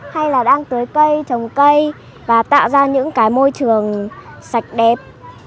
hay là đang tưới cây trồng cây và tạo ra những cái môi trường sạch đẹp